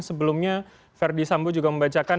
sebelumnya verdi sambo juga membacakan